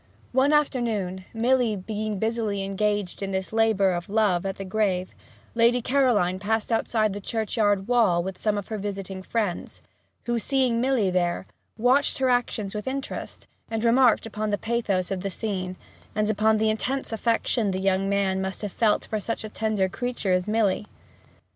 One afternoon, Milly being busily engaged in this labour of love at the grave, Lady Caroline passed outside the churchyard wall with some of her visiting friends, who, seeing Milly there, watched her actions with interest, remarked upon the pathos of the scene, and upon the intense affection the young man must have felt for such a tender creature as Milly.